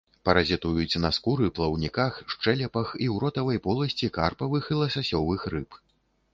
Паразітуюць на скуры, плаўніках, шчэлепах і ў ротавай поласці карпавых і ласасёвых рыб.